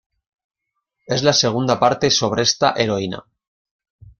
Es la segunda parte sobre esta heroína.